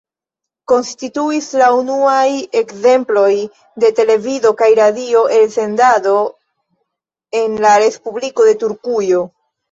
Konstituis la unuaj ekzemploj de televido kaj radio elsendado en la Respubliko de Turkujo.